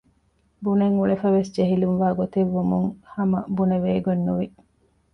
ބުނަން އުޅެފަވެސް ޖެހިލުން ވާގޮތެއް ވުމުން ހަމަ ބުނެވޭގޮތް ނުވި